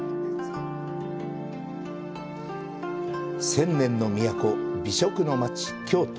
千年の都、美食の街・京都。